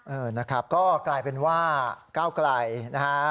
เออนะครับก็กลายเป็นว่าก้าวไกลนะฮะ